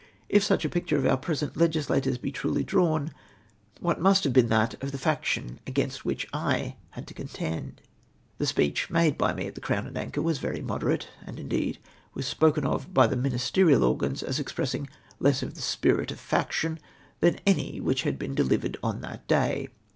If such a pictiu'e of our present legislators be truly dra^vu, what must have been that of the faction a2;ainst which I had to contend ? Tlie speecli made by me at the Crown and Anchor w^as very moderate, and indeed w^as spoken of by the ministerial organs as expressing less of tlie spirit of faction than any which had been delivered on that day.